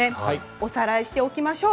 おさらいしておきましょう。